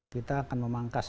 kita akan memangkas